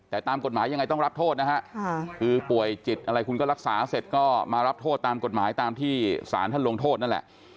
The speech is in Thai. แต่ตามกฎหมายยังไงต้องรับโทษนะฮะคือป่วยจิตอะไรคุณก็รักษาเสร็จก็มารับโทษตามกฎหมายตามที่สารท่านลงโทษนั่นแหละ